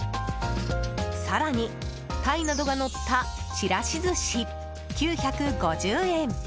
更に、タイなどがのったちらし寿司、９５０円。